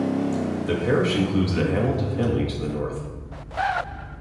The parish includes the hamlet of Henley to the north.